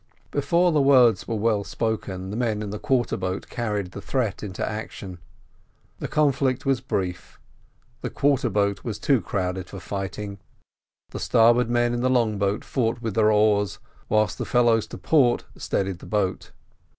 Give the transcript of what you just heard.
Before the words were well spoken the men in the quarter boat carried the threat into action. The conflict was brief: the quarter boat was too crowded for fighting. The starboard men in the long boat fought with their oars, whilst the fellows to port steadied the boat.